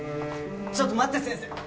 ちょっと待って先生！